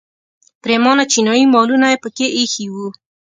پریمانه چینایي مالونه یې په کې ایښي وو.